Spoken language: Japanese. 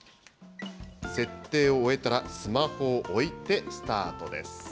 設定を終えたら、スマホを置いてスタートです。